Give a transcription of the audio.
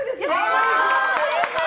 うれしい！